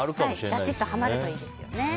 バチっとはまるといいですよね。